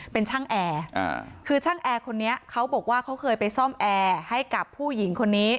เป็นช่างแอร์คือช่างแอร์คนนี้เขาบอกว่าเขาเคยไปซ่อมแอร์ให้กับผู้หญิงคนนี้